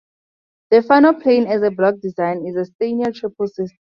The Fano plane, as a block design, is a Steiner triple system.